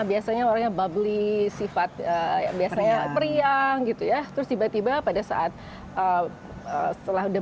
biasanya orangnya bubble sifat biasanya periang gitu ya terus tiba tiba pada saat setelah udah